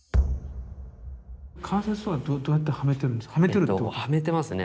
関節とかどうやってはめてるんですか？